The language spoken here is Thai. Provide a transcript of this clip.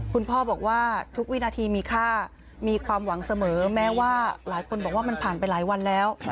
คุณพ่อบอกว่าทุกวินาทีมีค่ามีความหวังเสมอแม้ว่าหลายคนบอกว่ามันผ่านไปหลายวันแล้ว